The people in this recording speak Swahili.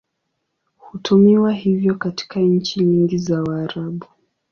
Hutumiwa hivyo katika nchi nyingi za Waarabu.